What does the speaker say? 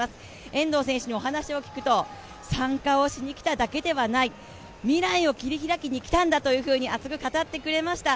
遠藤選手にお話を聞くと、参加をしに来ただけではない、未来を切り開きに来たんだと熱く語ってくれました。